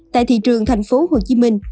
tại thị trường thành phố hồ chí minh